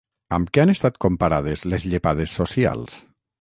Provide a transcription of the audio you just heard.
Amb què han estat comparades les llepades socials?